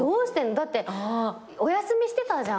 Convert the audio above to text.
だってお休みしてたじゃん。